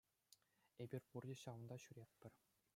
Эпир пурте ҫавӑнта ҫӳретпӗр.